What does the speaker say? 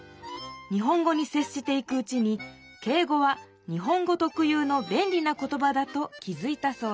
日本語にせっしていくうちに敬語は日本語とくゆうのべんりな言ばだと気づいたそうです